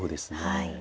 はい。